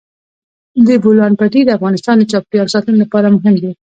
د بولان پټي د افغانستان د چاپیریال ساتنې لپاره مهم دي.